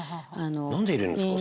なんで入れるんですか？